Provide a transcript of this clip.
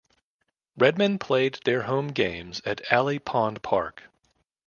The Redmen played their home games at Alley Pond Park.